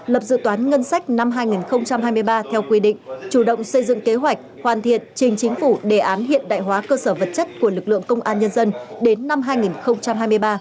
lập dự toán ngân sách năm hai nghìn hai mươi ba theo quy định chủ động xây dựng kế hoạch hoàn thiện trình chính phủ đề án hiện đại hóa cơ sở vật chất của lực lượng công an nhân dân đến năm hai nghìn hai mươi ba